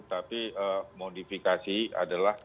tapi modifikasi adalah